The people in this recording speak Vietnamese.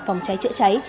phòng cháy chữa cháy